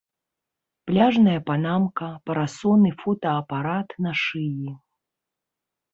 Пляжная панамка, парасон і фотаапарат на шыі.